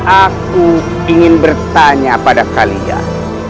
aku ingin bertanya pada kalian